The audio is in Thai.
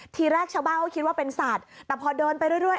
ทีแรกชาวบ้านก็คิดว่าเป็นสัตว์แต่พอเดินไปเรื่อย